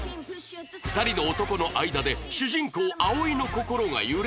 ２人の男の間で主人公葵の心が揺れ動く！